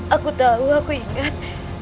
aku tahu aku ingat